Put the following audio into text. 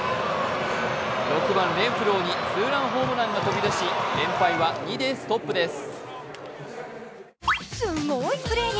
６番・レンフローにツーランホームランが飛び出し連敗は２でストップです。